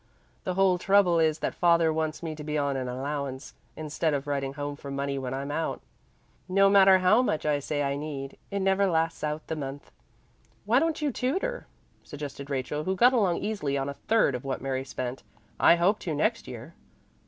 The whole trouble is that father wants me to be on an allowance, instead of writing home for money when I'm out. And no matter how much I say I need, it never lasts out the month." "Why don't you tutor?" suggested Rachel, who got along easily on a third of what Mary spent. "I hope to next year."